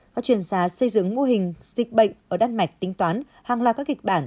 các chuyên gia xây dựng mô hình dịch bệnh ở đan mạch tính toán hàng loạt các kịch bản